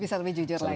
bisa lebih jujur lagi